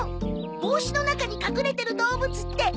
「帽子の中に隠れてる動物ってなんだ？」